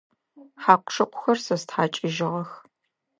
Хьакъу-шыкъухэр сэ стхьакӏыжьыгъэх.